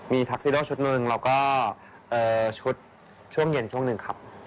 มีทักซิโดชุดหนึ่งแล้วก็ชุดช่วงเย็นช่วงหนึ่งครับ